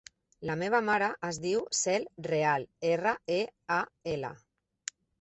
La meva mare es diu Cel Real: erra, e, a, ela.